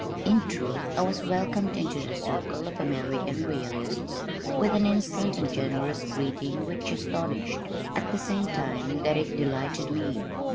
In truth I was welcomed into the circle of American realists with an instant and generous greeting which astonished, at the same time that it delighted me.